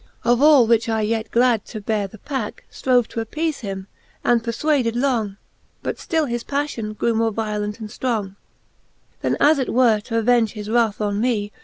Of all which I yet glad to beare the packe, Strove to appeale him, and perfvvaded long: But ftill his paffion grew more violent and ftrong, XXII. Then, as it were t'avenge his wrath on mee.